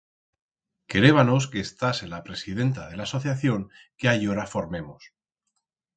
Querébanos que estase la presidenta de l'asociación que allora formemos.